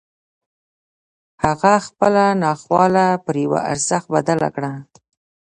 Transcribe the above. هغه خپله ناخواله پر يوه ارزښت بدله کړه.